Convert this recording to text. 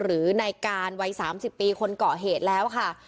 หรือในการวัย๓๐ปีคนเกาะเหตุแล้วค่ะ